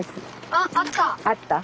ああった。